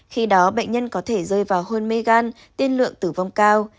khi đó bệnh nhân có thể rơi vào hôn mê gan tiên lượng tử vong cao